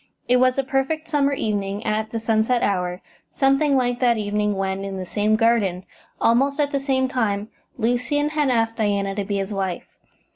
It was a perfect summer evening, at the sunset hour, something like that evening when, in the same garden, almost at the same time, Lucian had asked Diana to be his wife.